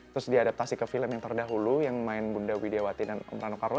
terus diadaptasi ke film yang terdahulu yang main bunda widiawati dan rano karno